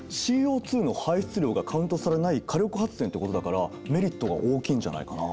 ＣＯの排出量がカウントされない火力発電ってことだからメリットが大きいんじゃないかな？